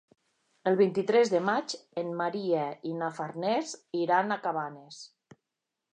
El vint-i-tres de maig en Maria i na Farners iran a Cabanes.